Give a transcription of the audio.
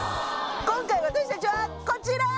今回私達はこちら！